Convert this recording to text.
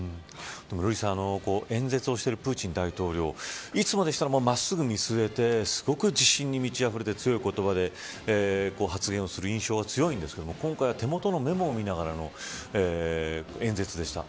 瑠麗さん演説をしているプーチン大統領いつもでしたら真っすぐ見据えてすごく自信に満ちあふれて強い言葉で発言する印象が強いんですけど今回は、手元のメモを見ながらの演説でした。